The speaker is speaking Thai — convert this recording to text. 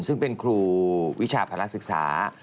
ซึ่งเป็นครูวิชาภาลักษณ์ศึกษา